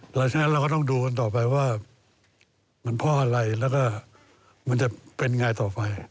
เพราะฉะนั้นเราก็ต้องดูต่อไปว่ามันเพราะอะไรแล้วก็มันจะเป็นยังไงต่อไป